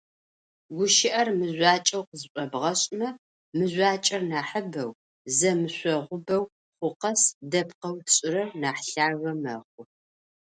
Гущыӏэр мыжъуакӏэу къызшӏобгъэшӏмэ, мыжъуакӏэр нахьыбэу, зэмышъогъубэу хъу къэс дэпкъэу тшӏырэр нахь лъагэ мэхъу.